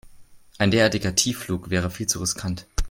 Ein derartiger Tiefflug wäre viel zu riskant.